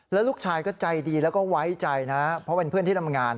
แล้วลูกชายก็ใจดีแล้วก็ไว้ใจนะเพราะเป็นเพื่อนที่ทำงาน